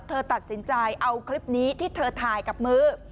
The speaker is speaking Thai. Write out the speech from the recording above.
เธอตัดสินใจเอาคลิปนี้ที่เธอถ่ายกับมือ